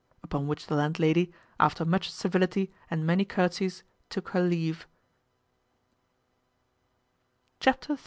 Upon which the landlady, after much civility and many courtsies, took her leave. Chapter iii.